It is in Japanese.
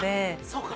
そうか。